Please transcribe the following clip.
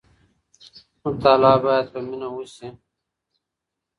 مطالعه باید په مینه وسي.